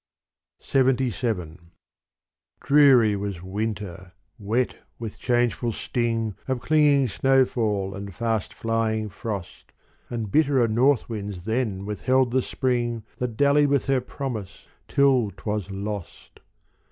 LXXVII Dreary was winter, wet with changeful sting Of clinging snowfall and fast flying frost : And bitterer northwinds then withheld the spring That dallied with her promise till 't was lost.